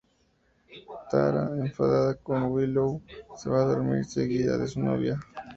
Tara, enfadada con Willow, se va a dormir seguida de su novia.